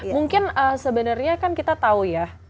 mungkin sebenarnya kan kita tahu ya